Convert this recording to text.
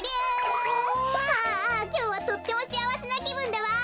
きょうはとってもしあわせなきぶんだわ。